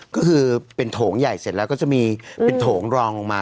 ก็คือเป็นโถงใหญ่เสร็จแล้วก็จะมีเป็นโถงรองลงมา